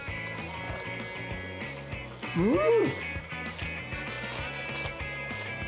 うん！